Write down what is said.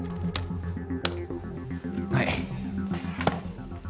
はい。